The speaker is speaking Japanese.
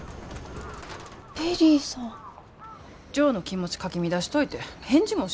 ジョーの気持ちかき乱しといて返事